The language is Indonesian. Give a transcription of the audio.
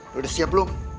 lo udah siap belum